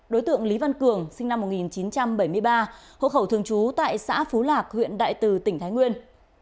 đối tượng lý văn cường sinh năm một nghìn chín trăm bảy mươi ba hộ khẩu thường trú tại xã phú lạc huyện đại từ tỉnh thái nguyên